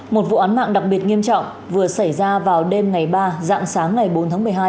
một vụ án mạng đặc biệt nghiêm trọng vừa xảy ra vào đêm ngày ba dạng sáng ngày bốn tháng một mươi hai